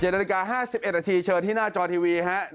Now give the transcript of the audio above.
นาฬิกา๕๑นาทีเชิญที่หน้าจอทีวีครับ